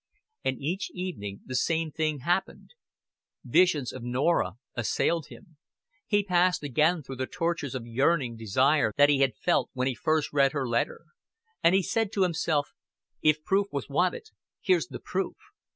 And each evening the same thing happened. Visions of Norah assailed him; he passed again through the tortures of yearning desire that he had felt when he first read her letter; and he said to himself, "If proof was wanted, here's the proof.